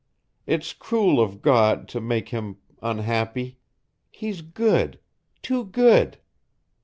It's cruel of God to make him unhappy, He's good too good.